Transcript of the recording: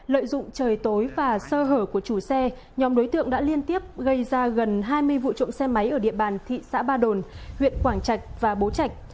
lợi dụng trời tối và sơ hở của chủ xe nhóm đối tượng đã liên tiếp gây ra gần hai mươi vụ trộm xe máy ở địa bàn thị xã ba đồn huyện quảng trạch và bố trạch